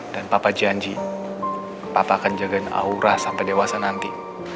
dan papa janji papa akan jagain aura sampai dewasa nanti